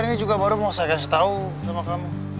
ini juga baru mau saya kasih tahu sama kamu